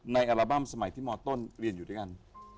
อัลบั้มสมัยที่มต้นเรียนอยู่ด้วยกัน